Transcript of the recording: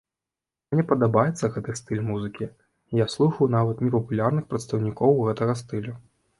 Мне падабаецца гэты стыль музыкі, і я слухаю нават непапулярных прадстаўнікоў гэтага стылю.